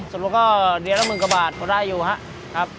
สมมุติก็เดี๋ยวละมึงกว่าบาทก็ได้อยู่ครับ